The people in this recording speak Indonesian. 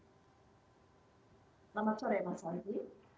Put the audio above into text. selamat sore mas haji